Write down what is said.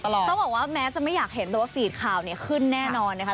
ต้องบอกว่าแม้จะไม่อยากเห็นแต่ว่าฟีดข่าวเนี่ยขึ้นแน่นอนนะคะ